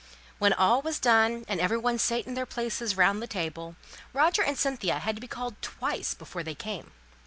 And when all was done, and every one sate in their places round the table, Roger and Cynthia had to be called twice before they came.